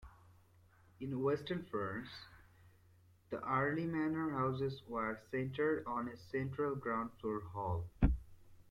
In western France, the early manor houses were centered on a central ground-floor hall.